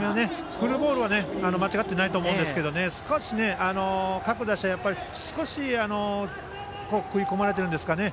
振るボールは間違っていないと思うんですけど各打者、少し食い込まれているんですかね。